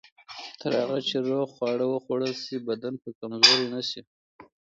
تر هغه چې روغ خواړه وخوړل شي، بدن به کمزوری نه شي.